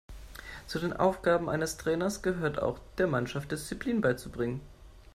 Zu den Aufgaben eines Trainers gehört auch, der Mannschaft Disziplin beizubringen.